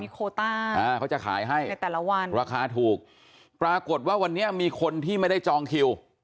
โคต้าเขาจะขายให้ในแต่ละวันราคาถูกปรากฏว่าวันนี้มีคนที่ไม่ได้จองคิว